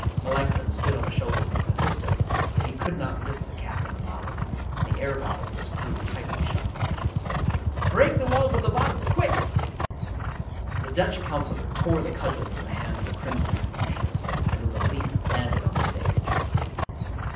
Melanchthon stood on the shoulders of Mephisto, but he could not lift the cap of the bottle, and the air valve was screwed tightly shut. " Break the walls of the bottle ! Quick !" The Dutch councilor tore the cudgel from the hand of the crimson executioner and with a leap landed on the stage.